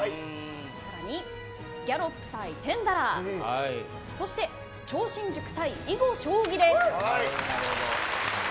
さらにギャロップ対テンダラーそして超新塾対囲碁将棋です。